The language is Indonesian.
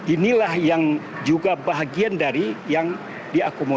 inilah yang juga bahagian dari yang diakomodir